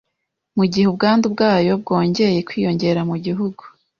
mu gihe ubwandu bwayo bwongeye kwiyongera mu gihugu.